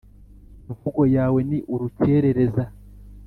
Imvugo yawe ni urukerereza